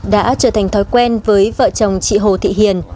đã trở thành thói quen với vợ chồng chị hồ thị hiền